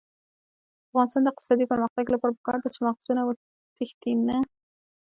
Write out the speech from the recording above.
د افغانستان د اقتصادي پرمختګ لپاره پکار ده چې مغزونه وتښتي نه.